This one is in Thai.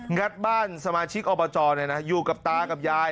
งัดบ้านสมาชิกอบจอยู่กับตากับยาย